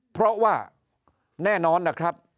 เพราะว่าแน่นอนนะครับ